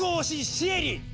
シエリ！